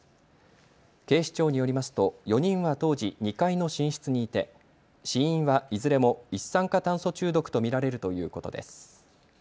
警視庁によりますと４人は当時、２階の寝室にいて、死因はいずれも一酸化炭素中毒と見られるということです。